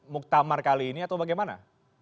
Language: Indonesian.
muktamar kali ini atau bagaimana